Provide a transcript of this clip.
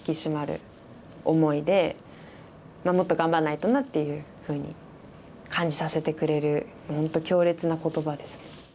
もっと頑張んないとなっていうふうに感じさせてくれる本当